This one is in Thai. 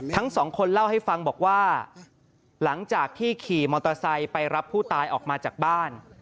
ทั้งสองคนเล่าให้ฟังบอกว่าหลังจากที่ขี่มอเตอร์ไซค์ไปรับผู้ตายออกมาจากบ้าน